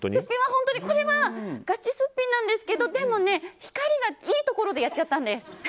本当にこれはガチすっぴんなんですけどでもね、光がいいところでやっちゃったんです。